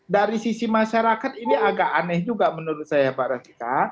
dari sisi masyarakat ini agak aneh juga menurut saya pak rashika